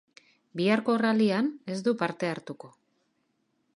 Biharko rallyan ez du parte hartuko